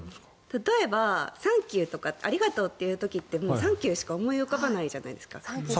例えば、サンキューとかありがとうっていう時ってサンキューしか思い浮かばないじゃないですか。